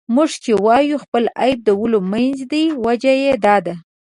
موږ چې وايو خپل عيب د ولیو منځ دی، وجه یې دا ده.